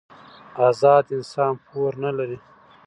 ازاد انسان پور نه لري.